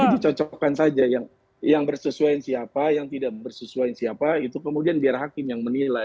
dicocokkan saja yang bersesuaian siapa yang tidak bersesuaian siapa itu kemudian biar hakim yang menilai